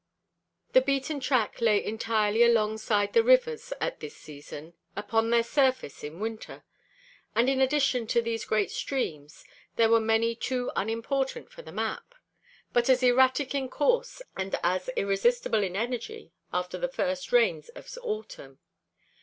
The beaten track lay entirely alongside the rivers at this season, upon their surface in winter; and in addition to these great streams there were many too unimportant for the map, but as erratic in course and as irresistible in energy after the first rains of autumn.